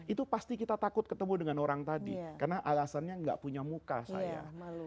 itu pasti kita takut ketemu dengan orang tadi karena alasannya nggak punya muka saya